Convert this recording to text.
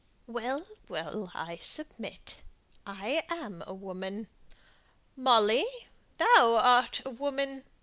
"Well, well, I submit. I am a woman. Molly, thou art a woman!